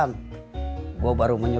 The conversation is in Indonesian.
tapi kugelap isu memang dekat